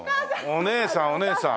お姉さんお姉さん。